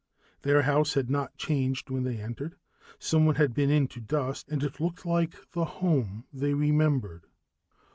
Their house had not changed when they entered, someone had been in to dust and it looked like the home they remembered.